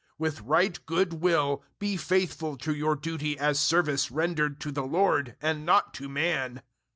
006:007 With right good will, be faithful to your duty as service rendered to the Lord and not to man.